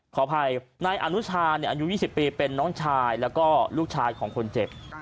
ขออภัยนายอนุชาอายุ๒๐ปีเป็นน้องชายแล้วก็ลูกชายของคนเจ็บ